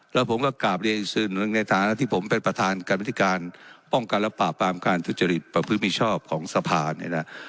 แล้วผมก็กราบเรียนอีกสื่อหนึ่งในฐานะที่ผมเป็นประธานการวิธีการป้องกันและปราบปรามการทุจริตประพฤติมีชอบของสภาเนี่ยนะ